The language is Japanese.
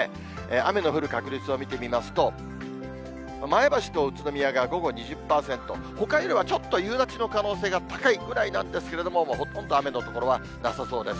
雨の降る確率を見てみますと、前橋と宇都宮が午後２０％、ほかよりはちょっと夕立の可能性が高いぐらいなんですけれども、もうほとんど雨の所はなさそうです。